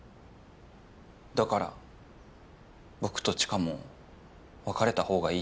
だから僕と知花も別れた方がいいって。